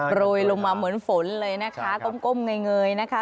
โรยลงมาเหมือนฝนเลยนะคะก้มเงยนะคะ